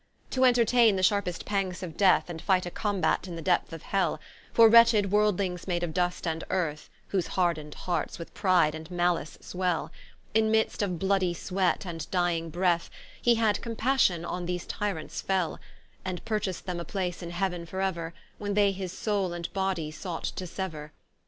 To entertaine the sharpest pangs of death, And fight a combate in the depth of hell, For wretched Worldlings made of dust and earth, Whose hard'ned hearts, with pride and mallice swell; In midst of bloody sweat, and dying breath, He had compassion on these tyrants fell: And purchast them a place in Heau'n for euer, When they his Soule and Body sought to seuer.